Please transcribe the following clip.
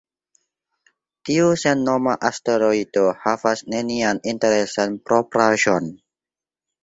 Tiu sennoma asteroido havas nenian interesan propraĵon.